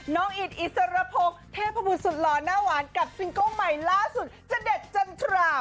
อิดอิสรพงศ์เทพบุตรสุดหล่อหน้าหวานกับซิงเกิ้ลใหม่ล่าสุดจะเด็ดจันทรา